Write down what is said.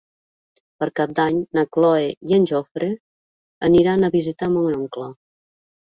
Per Cap d'Any na Cloè i en Jofre aniran a visitar mon oncle.